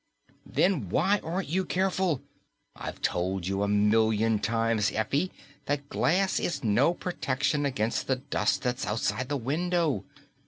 "Then why aren't you careful? I've told you a million times, Effie, that glass is no protection against the dust that's outside that window.